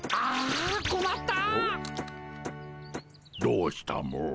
どうしたモ？